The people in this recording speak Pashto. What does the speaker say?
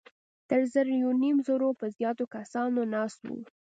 تر زر يونيم زرو به زيات کسان ناست وو.